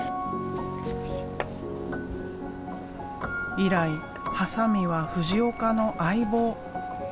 以来ハサミは藤岡の相棒。